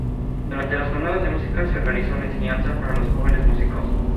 Durante las Jornadas de Música, se organizó la enseñanza para los jóvenes músicos.